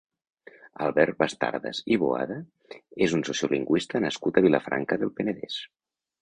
Albert Bastardas i Boada és un sociolinguïsta nascut a Vilafranca del Penedès.